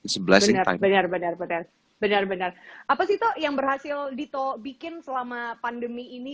sebelah sinar benar benar benar benar apa sih yang berhasil dito bikin selama pandemi ini